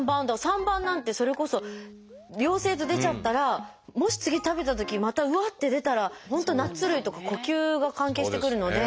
３番なんてそれこそ陽性と出ちゃったらもし次食べたときまたうわって出たら本当ナッツ類とか呼吸が関係してくるので。